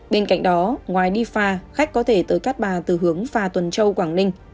bên cạnh đó ngoài đi pha khách có thể tới cát bà từ hướng phà tuần châu quảng ninh